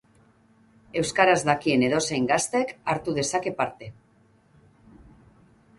Euskaraz dakien edozein gaztek hartu dezake parte.